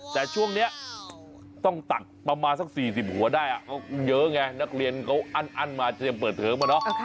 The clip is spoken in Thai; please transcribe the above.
แต่ช่วงนี้ต้องตักประมาณสัก๔๐หัวได้เยอะไงนักเรียนเขาอั้นมาเตรียมเปิดเทอมอะเนาะ